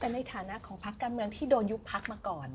ในฐานะพรรคการเมืองที่โดนยุคพรรคมาก่อน